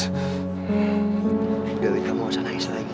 udah uit kamu jangan nangis lagi